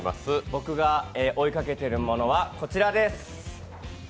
僕が追いかけてるものはこちらです。